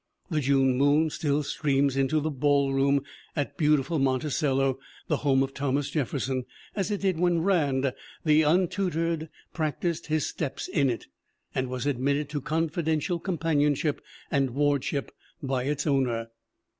The June moon still streams into the ballroom at beautiful Monticello, the home of Thomas Jefferson, as it did when Rand, the untu tored, practiced his steps in it, and was admitted to confidential companionship and wardship by its owner.